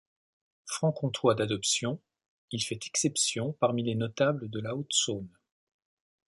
Franc-comtois d’adoption, il fait exception parmi les notables de la Haute-Saône.